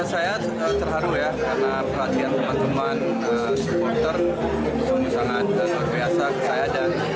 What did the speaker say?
saya terharu ya karena pelatihan teman teman supporter sangat luar biasa